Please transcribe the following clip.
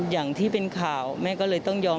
อย่างที่เป็นข่าวแม่ก็เลยต้องยอม